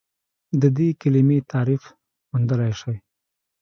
د دې کلمې تعریف موندلی شئ؟